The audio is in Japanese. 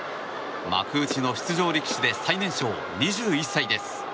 幕内の出場力士で最年少２１歳です。